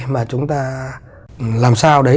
mà chúng ta làm sao đấy